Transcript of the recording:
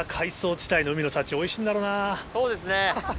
そうですね。